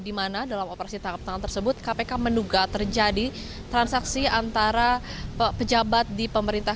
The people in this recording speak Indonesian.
di mana dalam operasi tangkap tangan tersebut kpk menduga terjadi transaksi antara pejabat di pemerintah